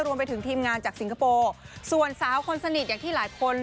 รวมไปถึงทีมงานจากสิงคโปร์ส่วนสาวคนสนิทอย่างที่หลายคน